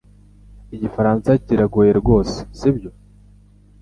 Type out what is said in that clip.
Igifaransa kiragoye rwose sibyo